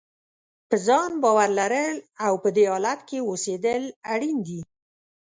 په ځان باور لرل او په دې حالت کې اوسېدل اړین دي.